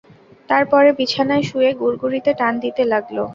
তার পরে বিছানায় শুয়ে গুড়গুড়িতে টান দিতে লাগল।